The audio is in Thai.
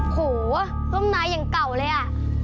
โหร่มนายยังเก่าเลยอ่ะ